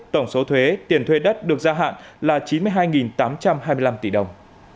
tổng số thuế tiền thuê đất được gia hạn là chín mươi hai tám trăm hai mươi năm tỷ đồng